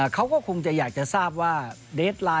เขาก็ควรอยากจะทราบว่า